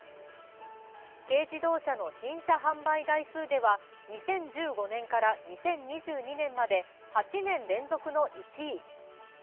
軽自動車の新車販売台数では２０１５年から２０２２年まで８年連続の１位。